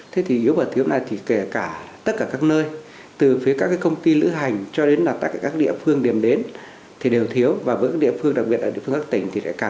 thương hiệu du lịch quốc gia